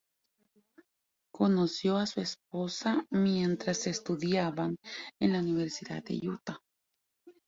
Conoció a su esposa mientras estudiaban en la Universidad de Utah.